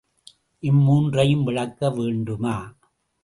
இம்மூன்றையும் விளக்க வேண்டுமா?